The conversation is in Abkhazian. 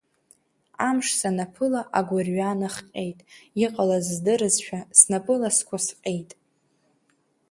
Амш санаԥыла агәырҩа нахҟьеит, иҟалаз здырызшәа, снапы ласқәа сҟьеит.